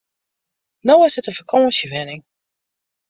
No is it in fakânsjewenning.